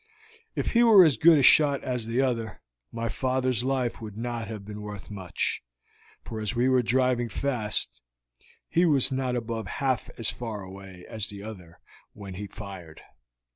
If he were as good a shot as the other, my father's life would not have been worth much, for as we were driving fast, he was not above half as far away as the other had been when he fired.